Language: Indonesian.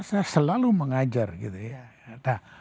saya selalu mengajar gitu ya